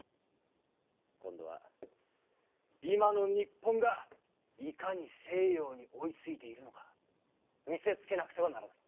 今度は今の日本がいかに西洋に追いついているのか見せつけなくてはならない。